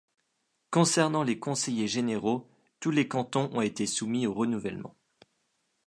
Concernant les conseillers généraux, tous les cantons ont été soumis au renouvellement.